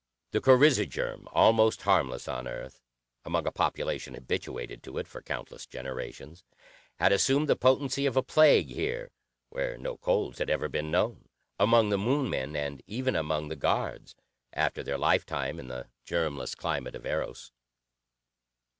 The coryza germ, almost harmless on Earth, among a population habituated to it for countless generations, had assumed the potency of a plague here, where no colds had ever been known among the Moon men, and even among the guards, after their lifetime in the germless climate of Eros.